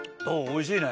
おいしい！